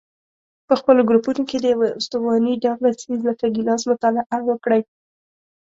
په خپلو ګروپونو کې د یوه استواني ډوله څیز لکه ګیلاس مطالعه وکړئ.